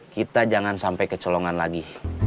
kita jangan sampai kecolongan lagi